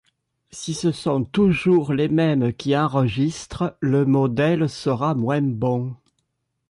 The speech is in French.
Si ce sont toujours les mêmes qui enregistrent, le modèle sera moins bon.